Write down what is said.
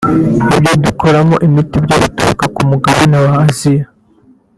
ibyo dukoramo imiti byo bituruka ku mugabane wa Aziya